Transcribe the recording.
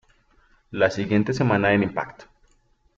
La siguiente semana en "Impact!